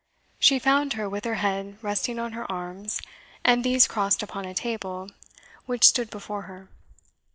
She found her with her head resting on her arms, and these crossed upon a table which stood before her.